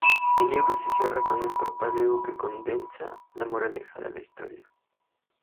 El libro se cierra con un pareado que condensa la moraleja de la historia.